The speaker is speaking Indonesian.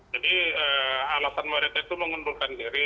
jadi alasan mereka itu mengundurkan diri